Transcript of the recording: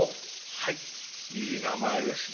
はいいい名前ですね